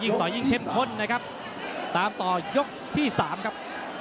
ต่อยิ่งเข้มข้นนะครับตามต่อยกที่สามครับ